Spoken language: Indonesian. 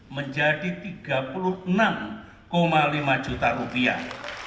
menjadi tiga puluh enam lima juta rupiah